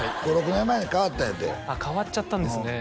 ５６年前に変わったんやて変わっちゃったんですね